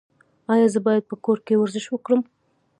ایا زه باید په کور کې ورزش وکړم؟